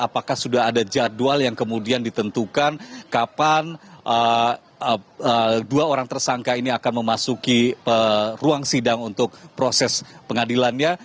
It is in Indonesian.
apakah sudah ada jadwal yang kemudian ditentukan kapan dua orang tersangka ini akan memasuki ruang sidang untuk proses pengadilannya